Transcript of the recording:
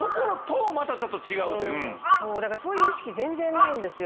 そういう意識全然ないんですよ。